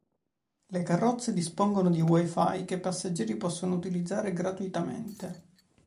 Le carrozze dispongono di WiFi che i passeggeri possono utilizzare gratuitamente.